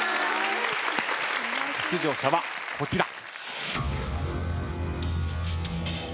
出場者はこちら。